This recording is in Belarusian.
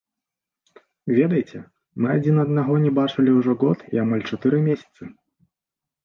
Ведаеце, мы адзін аднаго не бачылі ўжо год і амаль чатыры месяцы.